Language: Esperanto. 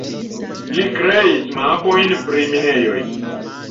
Li kreis mapojn pri minejoj.